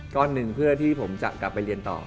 ก้อนหนึ่งเพื่อที่ผมจะกลับไปเรียนต่อ